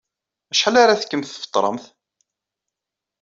Acḥal ara tekkemt tfeṭṭremt?